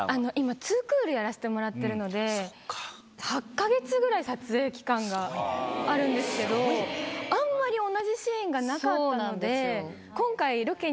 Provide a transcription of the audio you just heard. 今、２クールやらせてもらってるので、８か月ぐらい、撮影期間があるんですけど、あんまり同じシーンがなかったんですよ。